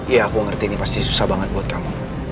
ya aku ngerti ini pasti susah banget buat kamu